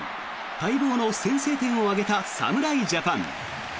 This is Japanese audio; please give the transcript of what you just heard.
待望の先制点を挙げた侍ジャパン。